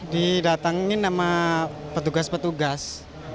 didatangi nama petugas petugas